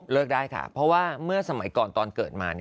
ได้ค่ะเพราะว่าเมื่อสมัยก่อนตอนเกิดมา